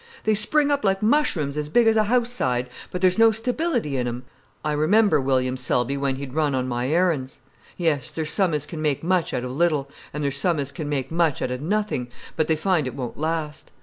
They spring up like mushrooms as big as a house side, but there's no stability in 'em. I remember William Selby when he'd run on my errands. Yes, there's some as can make much out of little, and there's some as can make much out of nothing, but they find it won't last.